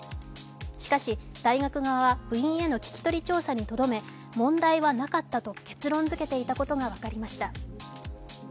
しかし、大学側は部員への聞き取り調査にとどめ、問題はなかったと結論づけていたことが分かりました。